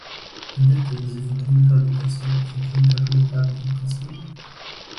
Entdeckt wurde sie vom Komiker Lou Costello vom Komikerduo Abbott und Costello.